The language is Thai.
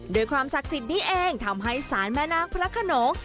ความศักดิ์สิทธิ์นี้เองทำให้ศาลแม่นาคพระขนง